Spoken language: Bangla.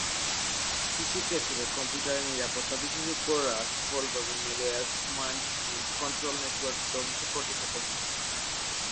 কিছু ক্ষেত্রে, কম্পিউটার নিরাপত্তা বিশেষজ্ঞরা সফলভাবে malware command and control network ধ্বংস করতে সক্ষম হয়েছেন।